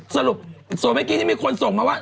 สรุปส่วนเมื่อกี้ที่มีคนส่งมาว่า